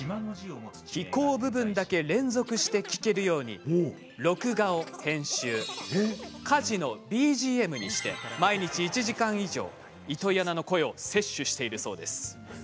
紀行部分だけ連続して聞けるように録画を編集、家事のＢＧＭにして毎日１時間以上は糸井アナの声を摂取しているんだそうです。